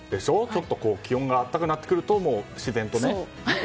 ちょっと気温が暖かくなってくると自然とね。